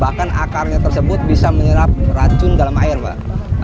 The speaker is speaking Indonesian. bahkan akarnya tersebut bisa menyerap racun dalam air pak